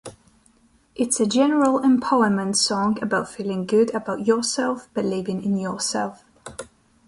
It's a general empowerment song about feeling good about yourself, believing in yourself.